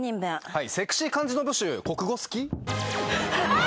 はい。